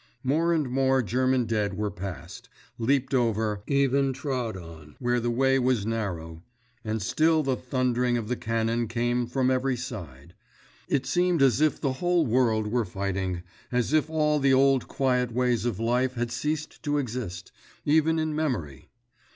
More and more German dead were passed, leaped over, even trod on where the way was narrow, and still the thundering of cannon came from every side. It seemed as if the whole world were fighting—as if all the old quiet ways of life had ceased to exist, even in memory.